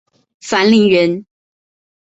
樊陵人。